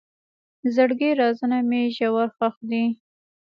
د زړګي رازونه مې ژور ښخ دي.